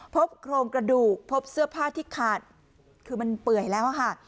พบโครงกระดูกพบเสื้อผ้าที่ขาดคือมันเปื่อยแล้วค่ะ